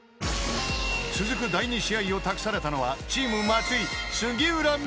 ［続く第２試合を託されたのはチーム松井］